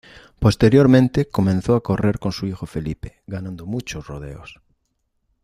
Posteriormente comenzó a correr con su hijo Felipe, ganando muchos rodeos.